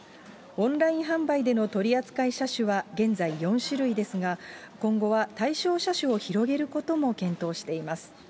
オンライン販売での取り扱い車種は現在４種類ですが、今後は対象車種を広げることも検討しています。